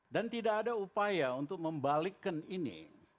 dan tidak ada upaya untuk membalikkan ini